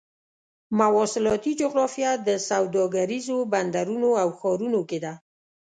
مواصلاتي جغرافیه د سوداګریزو بندرونو او ښارونو کې ده.